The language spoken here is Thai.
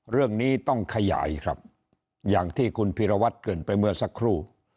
เรื่องนี้ต้องขยายครับอย่างที่คุณพีรวัตรเกิดไปเมื่อสักครู่